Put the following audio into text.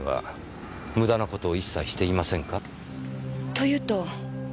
と言うと？